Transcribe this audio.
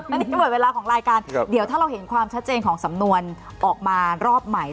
อันนี้ตำรวจเวลาของรายการเดี๋ยวถ้าเราเห็นความชัดเจนของสำนวนออกมารอบใหม่